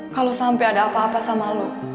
kalau sampai ada apa apa sama lo